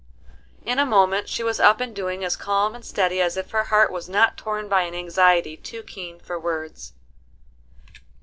In a moment she was up and doing as calm and steady as if her heart was not torn by an anxiety too keen for words.